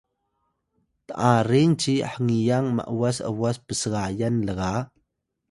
t’aring ci hngiyang m’was ’was psgayan lga